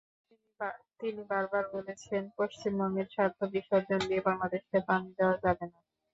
তিনি বারবার বলেছেন, পশ্চিমবঙ্গের স্বার্থ বিসর্জন দিয়ে বাংলাদেশকে পানি দেওয়া যাবে না।